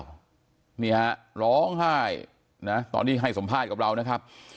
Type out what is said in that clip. นี่ฮะร้องไห้นะตอนที่ให้สัมภาษณ์กับเรานะครับ